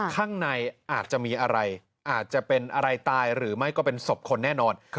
ข้างในอาจจะมีอะไรอาจจะเป็นอะไรตายหรือไม่ก็เป็นศพคนแน่นอน